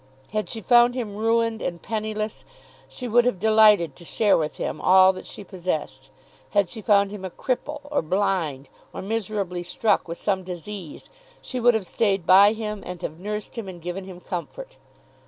Had she found him ruined and penniless she would have delighted to share with him all that she possessed. Had she found him a cripple, or blind, or miserably struck with some disease, she would have stayed by him and have nursed him and given him comfort.